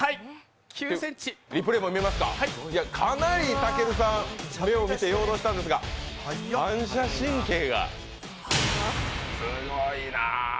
かなり健さん目を見て誘導したんですが反射神経がすごいな。